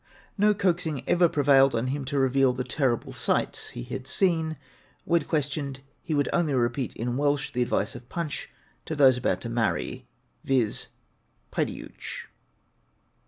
No coaxing ever prevailed on him to reveal the terrible sights he had seen; when questioned he would only repeat in Welsh the advice of 'Punch' to those about to marry, viz., 'Peidiwch!'